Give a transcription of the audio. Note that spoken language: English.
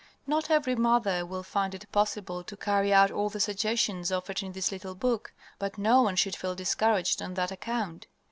Not every mother will find it possible to carry out all the suggestions offered in this little book, but no one should feel discouraged on that account.